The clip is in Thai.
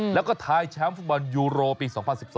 แล้วก็ท้ายแชมป์ฟุตบอลยูโรปี๒๐๑๒